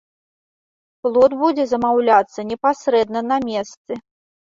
Плот будзе замаўляцца непасрэдна на месцы.